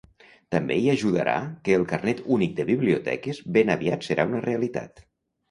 També hi ajudarà que el carnet únic de biblioteques ben aviat serà una realitat.